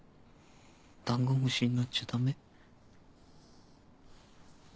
ダンゴ虫になっちゃ駄目。